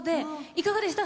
いかがでした？